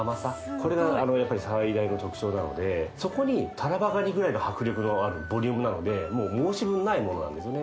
これが最大の特徴なのでそこにタラバガニぐらいの迫力のあるボリュームなのでもう申し分ないものなんですよね